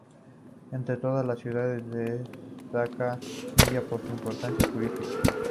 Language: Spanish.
Entre todas las ciudades destaca Nida por su importancia turística.